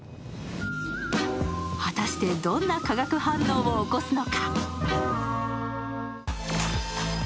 果たして、どんな化学反応を起こすのか？